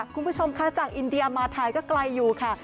คุณผู้ชมคะจากอินเดียมาไทยก็ไกลอยู่ค่ะ